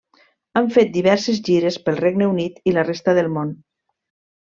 Han fet diverses gires pel regne unit i la resta del món.